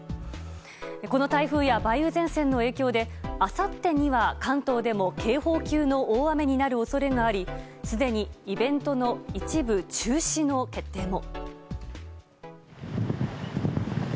この台風や梅雨前線の影響であさってには関東でも警報級の大雨になる恐れがありすでにイベントの一部中止の決定も。